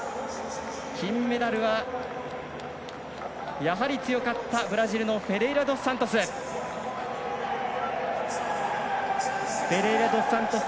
金メダルはやはり強かったブラジルのフェレイラドスサントス。